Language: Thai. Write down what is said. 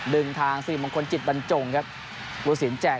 ดึงทางสิริมงคลจิตบรรจงครับภูสินแจก